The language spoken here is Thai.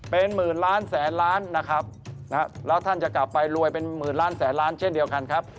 เป็นหมื่นล้านแสนล้านนะครับแล้วท่านจะกลับไปรวยเป็นหมื่นล้านแสนล้านเช่นเดียวกันครับ